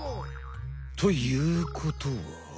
ということは？